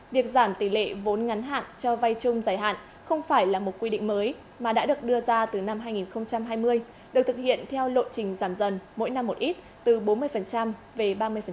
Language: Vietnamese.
việc giảm tỷ lệ vốn ngắn hạn cho vay chung giải hạn không phải là một quy định mới mà đã được đưa ra từ năm hai nghìn hai mươi được thực hiện theo lộ trình giảm dần mỗi năm một ít từ bốn mươi về ba mươi